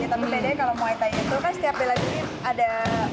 tapi bedanya kalau muay thai itu kan setiap bela diri ada